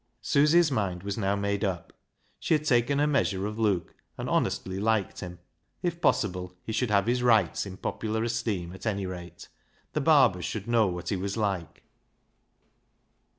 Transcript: Susy's mind was now made up. She had taken her measure of Luke, and honestly liked him. If possible, he should have his rights in popular esteem at any rate. The Barbers should know what he was like.